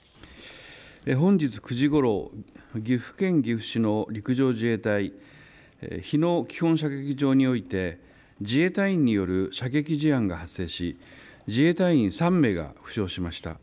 本日９時ごろ、岐阜県岐阜市の陸上自衛隊日野基本射撃場において自衛隊員による射撃事案が発生し、自衛隊員３名が負傷しました。